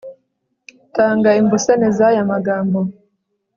tanga imbusane z'ayamagambo